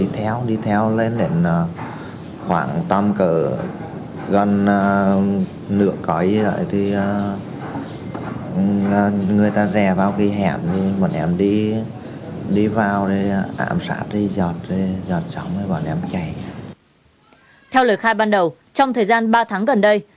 theo lời khai ban đầu trong thời gian ba tháng gần đây